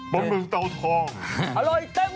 บดหมึกเตาทองอร่อยเต็มตัว